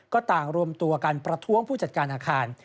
ก็ต่างรวมตัวกันประท้วงผู้จัดการอาคาร